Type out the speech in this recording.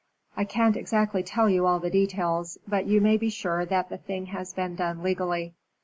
I can't exactly tell you all the details, but you may be sure that the thing has been done legally.